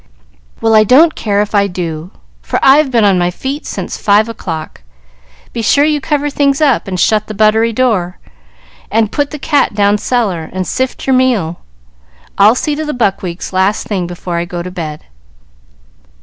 "Well, I don't care if I do, for I've been on my feet since five o'clock. Be sure you cover things up, and shut the buttery door, and put the cat down cellar, and sift your meal. I'll see to the buckwheats last thing before I go to bed."